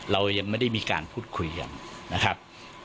เรายังไม่ได้มีการพูดคุยกันนะครับ